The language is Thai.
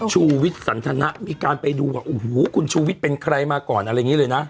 ชูวิทย์สันทนะมีการไปดูว่าโอ้โหคุณชูวิทย์เป็นใครมาก่อนอะไรอย่างนี้เลยนะ